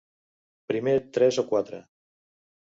Primer tres o quatre.